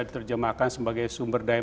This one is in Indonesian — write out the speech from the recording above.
diterjemahkan sebagai sumber daya